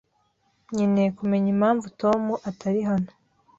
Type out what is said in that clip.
Nkeneye kumenya impamvu Tom atari hano.